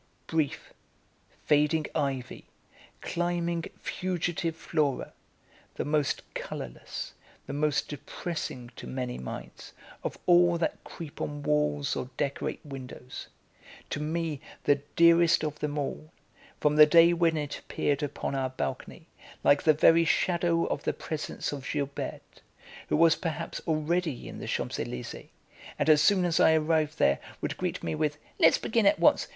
Brief, fading ivy, climbing, fugitive flora, the most colourless, the most depressing, to many minds, of all that creep on walls or decorate windows; to me the dearest of them all, from the day when it appeared upon our balcony, like the very shadow of the presence of Gilberte, who was perhaps already in the Champs Elysées, and as soon as I arrived there would greet me with: "Let's begin at once.